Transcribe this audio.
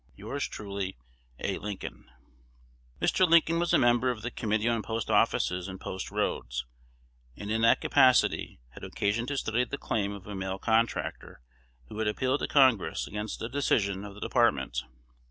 Yours truly, A. Lincoln. Mr. Lincoln was a member of the Committee on Post offices and Post roads, and in that capacity had occasion to study the claim of a mail contractor who had appealed to Congress against a decision of the Department.